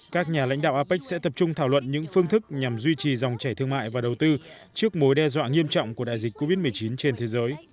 các nhà lãnh đạo apec sẽ tập trung thảo luận những phương thức nhằm duy trì dòng chảy thương mại và đầu tư trước mối đe dọa nghiêm trọng của đại dịch covid một mươi chín trên thế giới